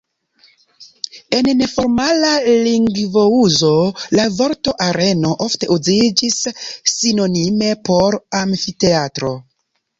En neformala lingvouzo la vorto areno ofte uziĝis sinonime por "amfiteatro".